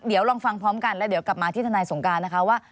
เดี๋ยวลองฟังพร้อมกันและกลับมาที่ธนายสมการนะคะ